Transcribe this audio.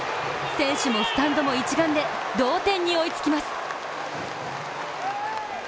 選手もスタンドも一丸で同点に追いつきます。